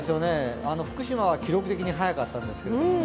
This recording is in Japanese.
福島は記録的に早かったんですけどもね。